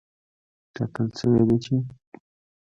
ټاکل شوې ده چې